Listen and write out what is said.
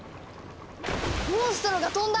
モンストロが飛んだ！